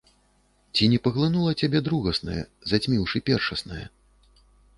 Ці не паглынула цябе другаснае, зацьміўшы першаснае?